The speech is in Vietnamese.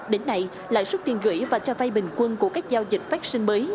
đến nay lãi xuất tiền gửi và trao vay bình quân của các giao dịch phát sinh mới